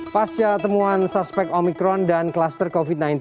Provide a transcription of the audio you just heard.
pasca temuan suspek omicron dan kluster covid sembilan belas